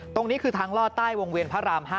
ตรงนี้คือทางลอดใต้วงเวียนพระราม๕